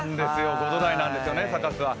５度台なんですよね、サカスは。